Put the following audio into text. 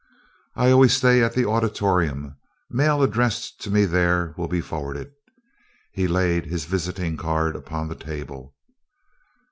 "I always stay at the Auditorium. Mail addressed to me there will be forwarded." He laid his visiting card upon the table.